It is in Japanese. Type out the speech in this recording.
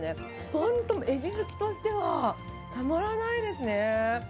ほんと、えび好きとしてはたまらないですね。